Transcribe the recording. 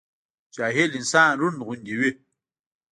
جاهل انسان رونډ غوندي وي